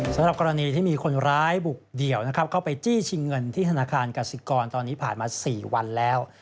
สำหรับกรณีที่มีคนร้ายบุกเดี่ยวนะครับเข้าไปจี้ชิงเงินที่ธนาคารกสิกรตอนนี้ผ่านมา๔วันแล้ว